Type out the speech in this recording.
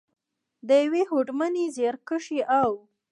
، د یوې هوډمنې، زیارکښې او .